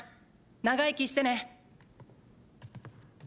長生きしてね。